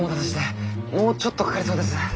もうちょっとかかりそうです。